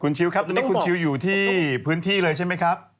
ชิลครับตอนนี้คุณชิวอยู่ที่พื้นที่เลยใช่ไหมครับ